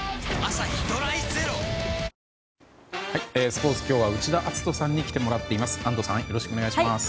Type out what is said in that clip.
スポーツ、今日は内田篤人さんに来てもらっています。